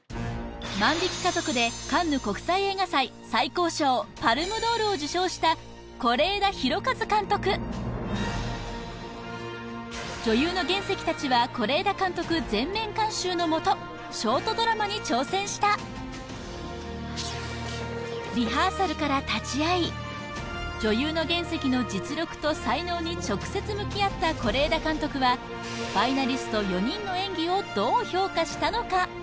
「万引き家族」でカンヌ国際映画祭最高賞パルム・ドールを受賞した是枝裕和監督女優の原石達は是枝監督全面監修のもとショートドラマに挑戦したリハーサルから立ち会い女優の原石の実力と才能に直接向き合った是枝監督はファイナリスト４人の演技をどう評価したのか？